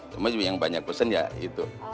cuma yang banyak pesen ya itu